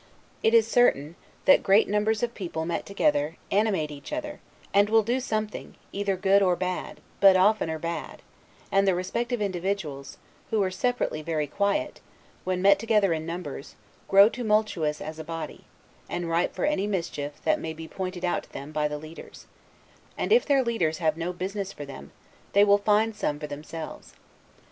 It is certain, that great numbers of people met together, animate each other, and will do something, either good or bad, but oftener bad; and the respective individuals, who were separately very quiet, when met together in numbers, grow tumultuous as a body, and ripe for any mischief that may be pointed out to them by the leaders; and, if their leaders have no business for them, they will find some for themselves.